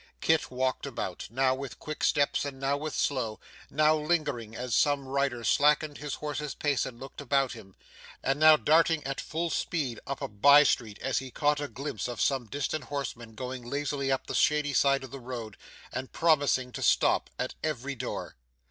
Kit walked about, now with quick steps and now with slow; now lingering as some rider slackened his horse's pace and looked about him; and now darting at full speed up a bye street as he caught a glimpse of some distant horseman going lazily up the shady side of the road, and promising to stop, at every door.